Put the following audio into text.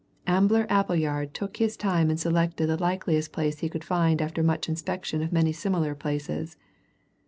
Ambler Appleyard took his time and selected the likeliest place he could find after much inspection of many similar places.